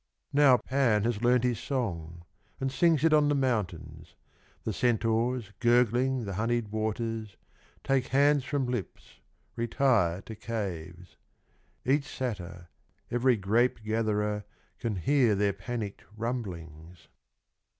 Now Pan has learnt his song And sings it on the mountains, The centaurs gurgling the honeyed waters Take hands from lips, retire to caves ; Each satyr, ev 'ry grape gatherer Can hear their panick 'd rumblings.